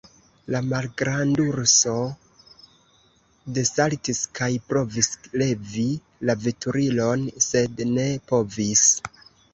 La malgrandruso desaltis kaj provis levi la veturilon, sed ne povis.